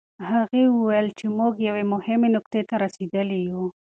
هغې وویل چې موږ یوې مهمې نقطې ته رسېدلي یوو.